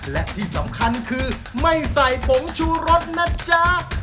และที่สำคัญคือไม่ใส่ผงชูรสนะจ๊ะ